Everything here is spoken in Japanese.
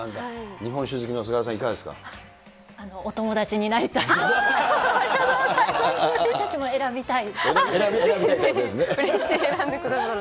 日本酒好きの菅原さん、お友達になりたい。